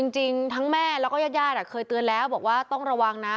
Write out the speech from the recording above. จริงทั้งแม่แล้วก็ญาติเคยเตือนแล้วบอกว่าต้องระวังนะ